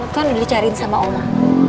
kan udah dicariin sama oma